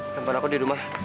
handphone aku di rumah